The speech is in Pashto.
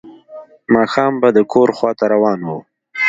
ماښام به د کور خواته روان و.